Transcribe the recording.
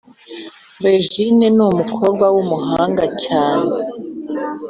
Regine numukobwa wumuhanga cyane